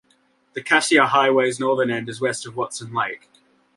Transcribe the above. The Cassiar Highway's northern end is west of Watson Lake.